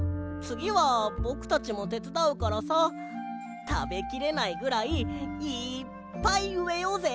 つぎはぼくたちもてつだうからさたべきれないぐらいいっぱいうえようぜ。